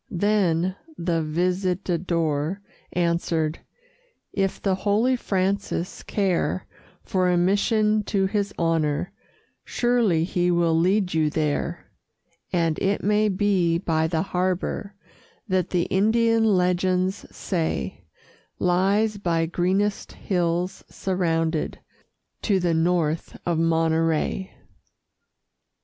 Then the Visitador answered: "If the holy Francis care For a mission to his honor, Surely he will lead you there; And it may be by the harbor That the Indian legends say Lies by greenest hills surrounded To the north of Monterey."